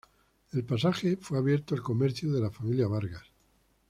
El pasaje fue abierto al comercio de la familia Vargas.